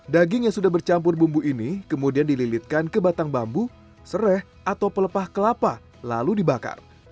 daging yang sudah bercampur bumbu ini kemudian dililitkan ke batang bambu serai atau pelepah kelapa lalu dibakar